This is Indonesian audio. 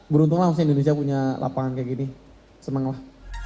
beruntung lah indonesia punya lapangan kayak gini seneng lah